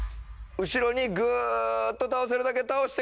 後ろにグーッと倒せるだけ倒してください。